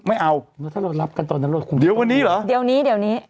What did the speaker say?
ไม่เอาแล้วถ้าเรารับกันตอนนั้นเราคุมเดี๋ยววันนี้เหรอเดี๋ยวนี้เดี๋ยวนี้